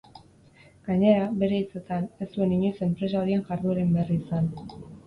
Gainera, bere hitzetan, ez zuen inoiz enpresa horien jardueren berri izan.